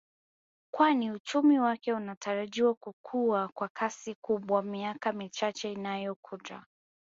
Kwani uchumi wake unatarajiwa kukua kwa kasi kubwa miaka michache inayo kuja